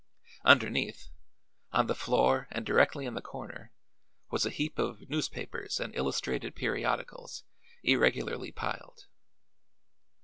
Underneath, on the floor and directly in the corner, was a heap of newspapers and illustrated periodicals, irregularly piled.